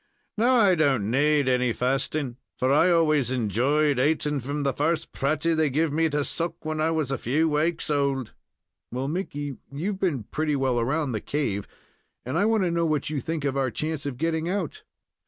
Now, I don't naad any fasting, for I always enjoyed ating from the first pratie they giv me to suck when I was a few waaks old." "Well, Mickey, you've been pretty well around the cave, and I want to know what you think of our chance of getting out?"